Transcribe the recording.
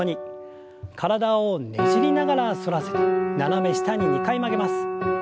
体をねじりながら反らせて斜め下に２回曲げます。